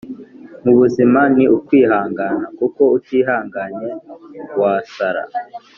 mu buzima, ni ukwihangana kuko utihanganye wasara.